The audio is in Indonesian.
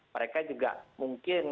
mereka juga mungkin